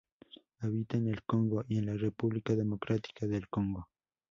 Habita en el Congo y en República Democrática del Congo.